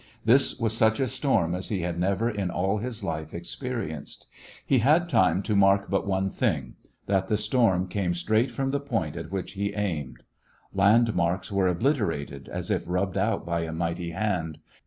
This was such a storm as he had never in all his life experienced. He had time to mark but one thing: that the storm came straight from the point at which he aimed. Landmarks were obliterated as if rubbed out by a mighty hand.